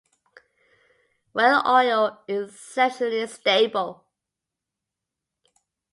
Whale oil is exceptionally stable.